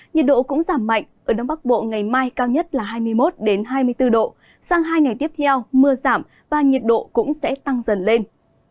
nhiệt độ cũng giảm mạnh ở đông bắc bộ ngày mai cao nhất là hai mươi một hai mươi bốn độ sang hai ngày tiếp theo mưa giảm và nhiệt độ cũng sẽ tăng dần lên